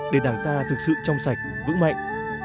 để đảng ta thực sự trong sạch vững mạnh